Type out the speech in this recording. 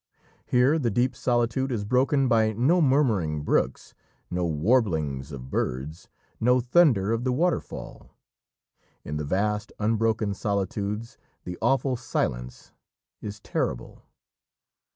Here the deep solitude is broken by no murmuring brooks, no warblings of birds, no thunder of the waterfall. In the vast unbroken solitudes the awful silence is terrible.